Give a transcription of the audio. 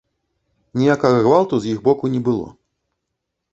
Ніякага гвалту з іх боку не было.